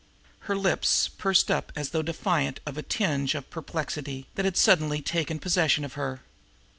Her lips pursed up as though defiant of a tinge of perplexity that had suddenly taken possession of her.